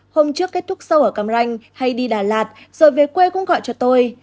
hôm trước kết thúc sâu ở cam ranh hay đi đà lạt rồi về quê cũng gọi cho tôi